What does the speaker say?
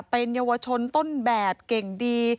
เป็นเยาวชนต้นแบบเก่งดี